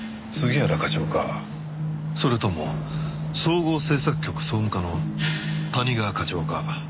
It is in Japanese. それとも総合政策局総務課の谷川課長か。